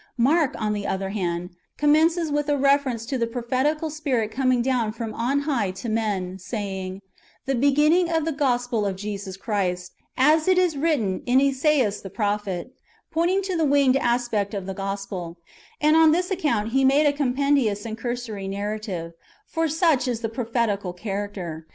Mark, on the other hand, commences with [a reference to] the prophetical spirit coming down from on high to men, saying, " The beginning of the gospel of Jesus Christ, as it is written in Esaias the prophet," — pointing to the winged aspect of the Gospel; and on this account he made a compendious and cursory narrative, for such is the pro phetical character.